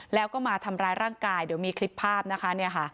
แล้วก็มาทำร้ายร่างกายเดี๋ยวมีคลิปภาพนะคะ